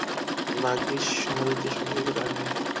ভাগ্যিস সুনীলকে সঙ্গে করে আনিনি!